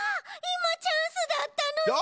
いまチャンスだったのに！